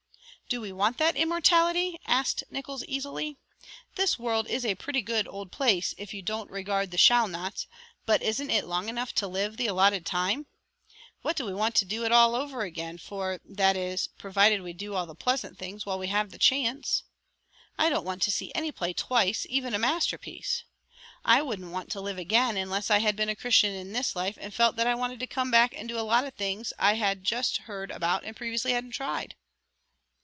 "Do we want that immortality?" asked Nickols easily. "This world is a pretty good old place if you don't regard the 'shalt nots,' but isn't it long enough to live the allotted time? What do we want to do it all over again for, that is, provided we do all the pleasant things while we have the chance? I don't want to see any play twice, even a masterpiece. I wouldn't want to live again unless I had been a Christian in this life and felt that I wanted to come back and do a lot of the things I had just heard about and previously hadn't tried."